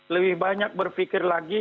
lebih banyak berpikir lagi